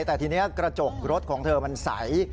แต่ทีนี้กระจกรถของเธอมันใส